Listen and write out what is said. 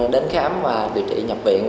đến khám và điều trị nhập viện